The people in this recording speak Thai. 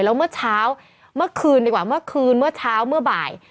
แล้วเมื่อเช้าเมื่อคืนดีกว่าเมื่อคืนเมื่อเช้าเมื่อบ่าย